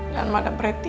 dan mada preti